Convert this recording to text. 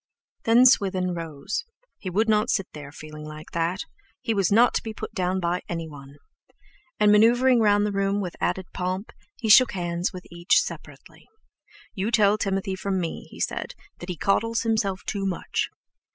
Then Swithin rose. He would not sit there, feeling like that—he was not to be put down by anyone! And, manoeuvring round the room with added pomp, he shook hands with each separately. "You tell Timothy from me," he said, "that he coddles himself too much!"